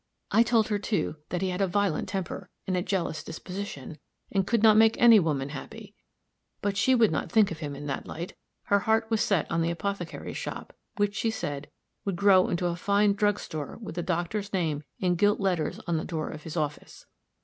I told her, too, that he had a violent temper, and a jealous disposition, and could not make any woman happy. But she would not think of him in that light; her heart was set on the apothecary's shop, which, she said, would grow into a fine drug store with the doctor's name in gilt letters on the door of his office.